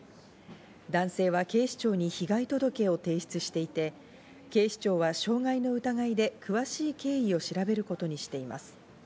男性は警視庁に被害届を提出していて、警視庁は傷害の疑いで詳しい経緯を調べることにしています。